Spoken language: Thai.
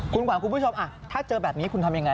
คุณขวัญคุณผู้ชมถ้าเจอแบบนี้คุณทำยังไง